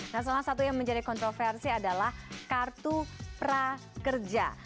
nah salah satu yang menjadi kontroversi adalah kartu prakerja